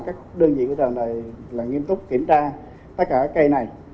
các đơn vị của trường này là nghiêm túc kiểm tra tất cả các cây này